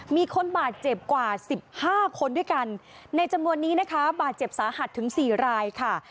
มีคนบาดเจ็บกว่า๑๕คนด้วยกันในจำนวนนี้นะคะบาดเจ็บสาหัสถึง๔รายค่ะ